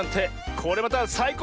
これまたさいこう